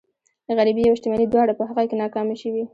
غريبي او شتمني دواړه په هغه کې ناکامې شوي.